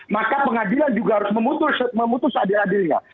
maka pengadilan juga harus memutus adil adilnya